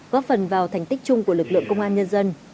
góp phần vào thành tích chung của lực lượng công an nhân dân